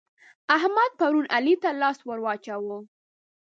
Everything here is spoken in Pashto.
احمد پرون علي ته لاس ور واچاوو.